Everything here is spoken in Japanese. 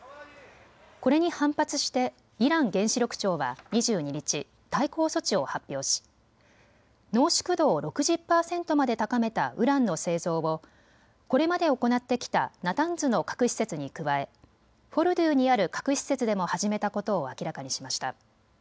これに反発してイラン原子力庁は２２日、対抗措置を発表し濃縮度を６０％まで高めたウランの製造をこれまで行ってきたナタンズの核施設に加え、フォルドゥにある核施設でも始めたことを明らかにしました。